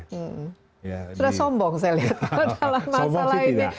sudah sombong saya lihat masalah masalah ini